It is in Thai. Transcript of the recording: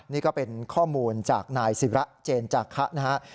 นี่ก็เป็นข้อมูลจากนายศิระเจนจาคะนะครับ